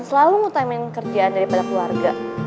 selalu mau timing kerjaan daripada keluarga